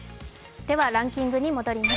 ではランキングに戻ります。